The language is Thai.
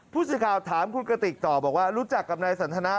ผู้สื่อข่าวถามคุณกติกต่อบอกว่ารู้จักกับนายสันทนา